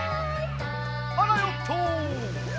あらヨット！